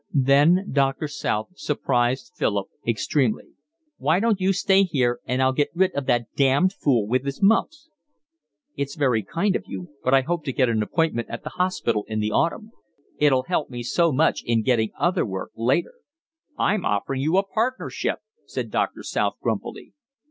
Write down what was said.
Then Doctor South surprised Philip extremely. "Why don't you stay here and I'll get rid of that damned fool with his mumps?" "It's very kind of you, but I hope to get an appointment at the hospital in the autumn. It'll help me so much in getting other work later." "I'm offering you a partnership," said Doctor South grumpily.